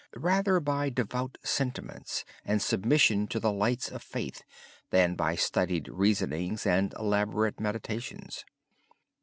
He did this by devout sentiments and submission to the lights of faith, rather than by studied reasonings and elaborate meditations.